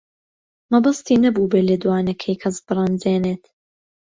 مەبەستی نەبوو بە لێدوانەکەی کەس بڕەنجێنێت.